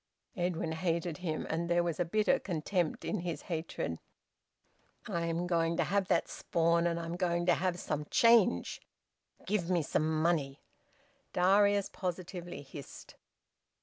Edwin hated him, and there was a bitter contempt in his hatred. "I'm going to have that spawn, and I'm going to have some change! Give me some money!" Darius positively hissed.